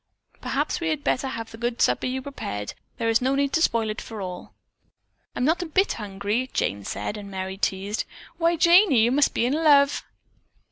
"Perhaps we had better have the good supper you have prepared. There is no need to spoil it for all." "I'm not a bit hungry," Jane said and Merry teased: "Why, Janey, you must be in love."